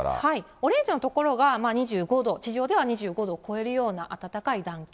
オレンジの所が２５度、地上では２５度を超えるような暖かい暖気。